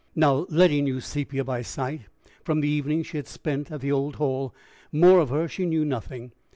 Now Letty knew Sepia by sight, from the evening she had spent at the old hall; more of her she knew nothing.